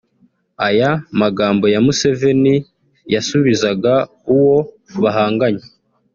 Aya magambo ya Museveni yasubizaga uwo bahanganye